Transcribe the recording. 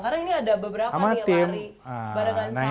karena ini ada beberapa nih lari